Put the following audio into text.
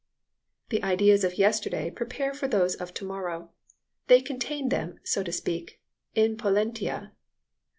The ideas of yesterday prepare for those of to morrow; they contain them, so to speak, in potentia.